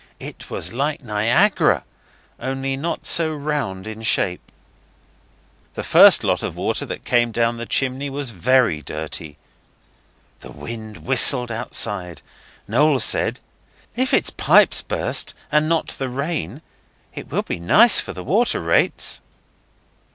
It was like Niagara, only not so round in shape. The first lot of water that came down the chimney was very dirty. The wind whistled outside. Noel said, 'If it's pipes burst, and not the rain, it will be nice for the water rates.